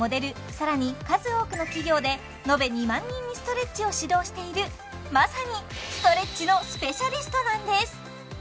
更に数多くの企業で延べ２万人にストレッチを指導しているまさにストレッチのスペシャリストなんです